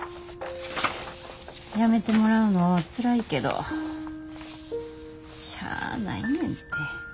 辞めてもらうのつらいけどしゃあないねんて。